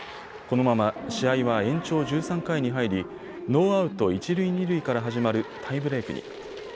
このまま試合は延長１３回に入りノーアウト一塁二塁から始まるタイブレークに。